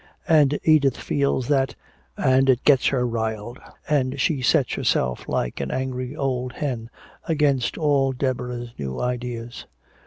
And Edith feels that, and it gets her riled, and she sets herself like an angry old hen against all Deborah's new ideas.